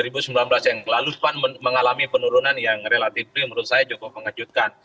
bahkan dua ribu sembilan belas yang lalu pan mengalami penurunan yang relatif menurut saya jokowi mengejutkan